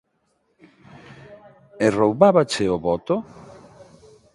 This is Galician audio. E roubábache o voto?